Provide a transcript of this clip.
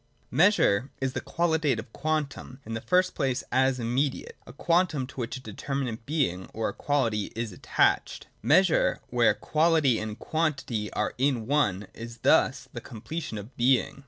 107.] Measure is the qualitative quantum, in the first place as immediate, — a quantum, to which a deter minate being or a quality is attached. Measure, where quality and quantity are in one, is thus the completion of Being.